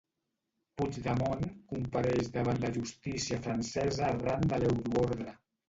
Puigdemont compareix davant la justícia francesa arran de l'euroordre.